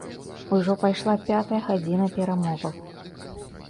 Ужо пайшла пятая гадзіна перамоваў.